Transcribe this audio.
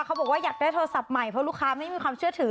บอกว่าอยากได้โทรศัพท์ใหม่เพราะลูกค้าไม่มีความเชื่อถือ